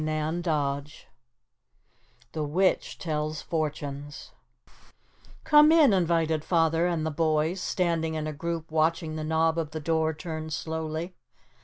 ] CHAPTER V THE WITCH TELLS FORTUNES "Come in," invited Father and the boys, standing in a group watching the knob of the door turn slowly.